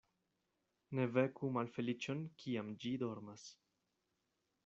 Ne veku malfeliĉon, kiam ĝi dormas.